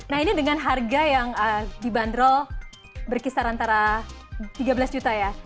nah ini dengan harga yang dibanderol berkisar antara tiga belas juta ya